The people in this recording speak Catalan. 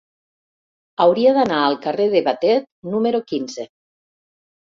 Hauria d'anar al carrer de Batet número quinze.